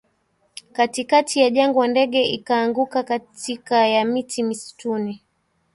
katikati ya jangwa Ndege ikaanguka katika ya miti msituni